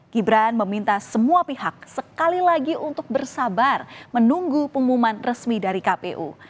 gibran meminta semua pihak sekali lagi untuk bersabar menunggu pengumuman resmi dari kpu